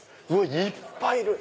いっぱいいる！